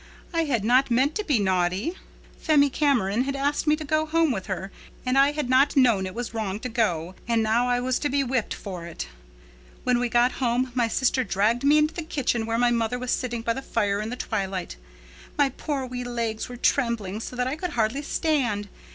I had not meant to be naughty. Phemy Cameron had asked me to go home with her and I had not known it was wrong to go. And now I was to be whipped for it. When we got home my sister dragged me into the kitchen where mother was sitting by the fire in the twilight. My poor wee legs were trembling so that I could hardly stand.